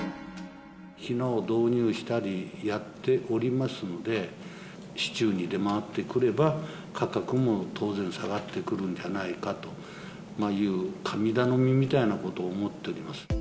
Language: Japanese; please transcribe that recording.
ひなを導入したりやっておりますので、市中に出回ってくれば、価格も当然下がってくるんじゃないかという、神頼みみたいなことを思っております。